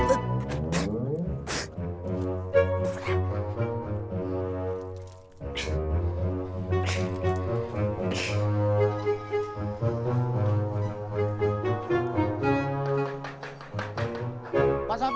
ke jalan rawa bebek